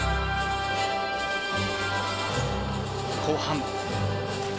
後半。